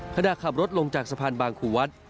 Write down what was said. ขณะขับรถลงจากสะพานบางขู่วัด